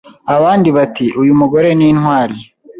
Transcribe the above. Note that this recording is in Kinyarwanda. abandi bati uyu mugore ni intwari ,